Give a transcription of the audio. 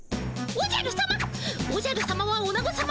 おじゃるさま！